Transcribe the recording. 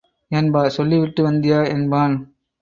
ஏன் பா சொல்லிவிட்டு வந்தியா? என்பான்.